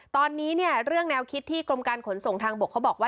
ตอนนี้เนี่ยเรื่องแนวคิดที่กรมการขนส่งทางบกเขาบอกว่า